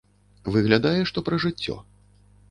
Выглядае, што пра жыццё.